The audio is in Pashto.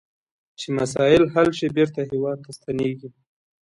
چې مسایل حل شي بیرته هیواد ته ستنیږي.